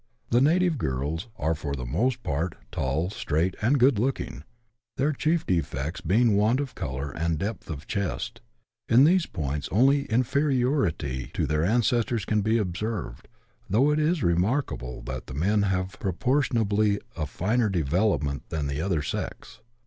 The native girls are for the most part tall, straight, and good looking, their chief defects being want of colour and depth of chest ; in these points only inferiority to their ancestors can be observed, though it is remarkable that the men have proportion ably a finer development than the other sex.